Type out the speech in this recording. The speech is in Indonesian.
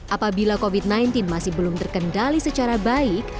apabila covid sembilan belas masih belum terkendali secara baik